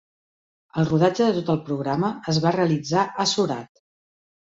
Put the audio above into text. El rodatge de tot el programa es va realitzar a Surat.